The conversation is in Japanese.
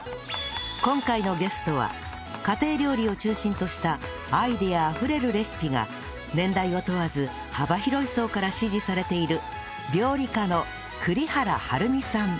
今回のゲストは家庭料理を中心としたアイデアあふれるレシピが年代を問わず幅広い層から支持されている料理家の栗原はるみさん